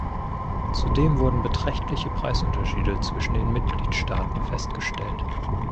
Zudem wurden beträchtliche Preisunterschiede zwischen den Mitgliedstaaten festgestellt.